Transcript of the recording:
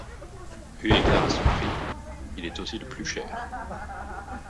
Eu égard à son prix, il est aussi le plus cher.